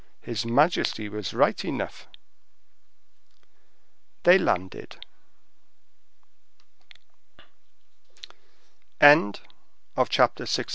"His majesty was right enough." They landed. Chapter LXIX.